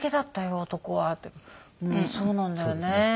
「うんそうなんだよね」。